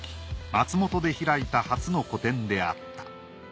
松本で開いた初の個展であった。